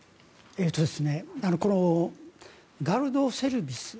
このガルドセルビス